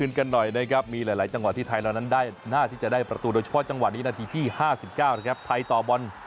ในรอบนี้ครับ